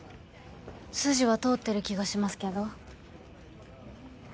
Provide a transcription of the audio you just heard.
筋は通ってる気がしますけど。